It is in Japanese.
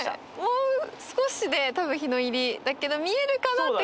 もう少しで多分日の入りだけど見えるかなって感じですね。